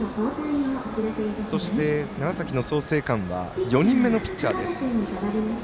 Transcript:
そして、長崎の創成館は４人目のピッチャーです。